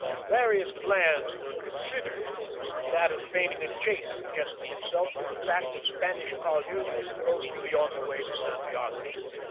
Various plans were considered. That of feigning a chase suggested itself from the fact that Spanish colliers were supposed to be on their way to Santi ago.